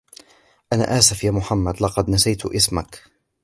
أنا آسف يا محمد ، لقد نسيت اسمك!